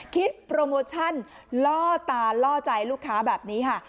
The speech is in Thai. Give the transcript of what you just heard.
โปรโมชั่นล่อตาล่อใจลูกค้าแบบนี้ค่ะ